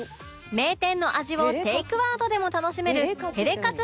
名店の味をテイクアウトでも楽しめるヘレカツ